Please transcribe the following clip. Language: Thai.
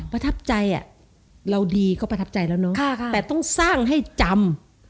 ประทับใจเราดีก็ประทับใจแล้วเนอะแต่ต้องสร้างให้จำ